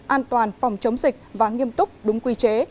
an toàn phòng chống dịch và nghiêm túc đúng quy chế